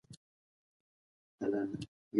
آیا تاسو د ښوونځي قوانین مراعات کوئ؟